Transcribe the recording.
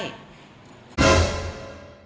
เป็นรุ่นพี่เขาได้